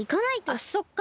あっそっか。